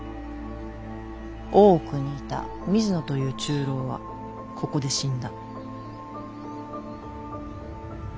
大奥にいた水野という中臈はここで死んだ。